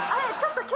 えっ！？